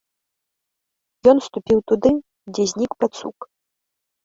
Ён ступіў туды, дзе знік пацук.